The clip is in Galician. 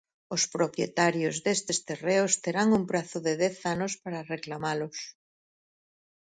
Os propietarios destes terreos terán un prazo de dez anos para reclamalos.